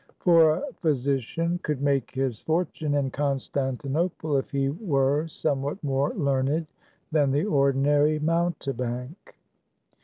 For a physician could make his fortune in Constantinople if he were somewhat more learned than the ordinary mountebank.